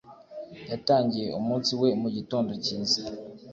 Yatangiye umunsi we mugitondo cyiza.